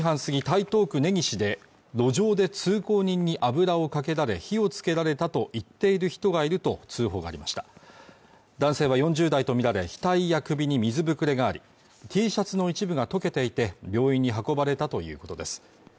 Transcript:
台東区根岸で路上で通行人に油をかけられ火をつけられたと言っている人がいると通報がありました男性は４０代とみられ額や首に水ぶくれがありＴシャツの一部が溶けていて病院に運ばれたということです